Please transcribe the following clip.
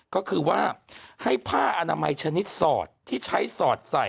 ก็คือว่าให้ผ้าอนามัยชนิดสอดที่ใช้สอดใส่